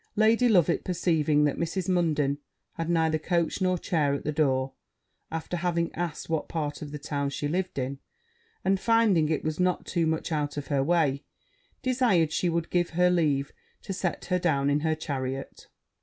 Lady Loveit perceiving that Mrs. Munden had neither coach nor chair at the door, after having asked what part of town she lived in, and finding it was not too much out of her way, desired she would give her leave to set her down in her chariot.